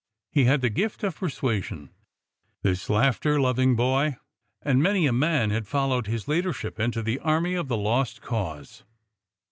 He had the gift of persuasion, this laughter loving boy, and many a man had followed his leader ship into the army of the Lost Cause.